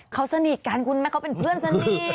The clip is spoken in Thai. เขาสนิทกันคุณแม่เขาเป็นเพื่อนสนิท